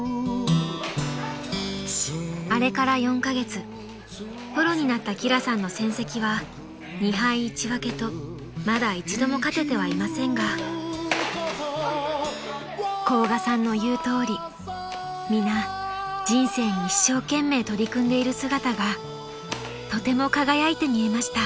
［あれから４カ月プロになった輝さんの戦績は２敗１分けとまだ一度も勝ててはいませんが甲賀さんの言うとおり皆人生に一生懸命取り組んでいる姿がとても輝いて見えました］